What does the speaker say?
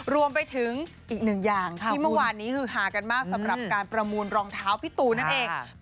รวมไปถึงอีกหนึ่งอย่างที่เมื่อวานนี้คือหากันมากสำหรับการประมูลรองเท้าพี่ตูนนั่นเอง